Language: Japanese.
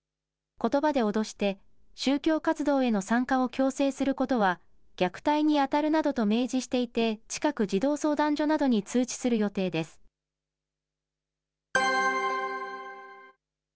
ことばで脅して宗教活動への参加を強制することは、虐待に当たるなどと明示していて近く、児童相談所などに通知する予定です。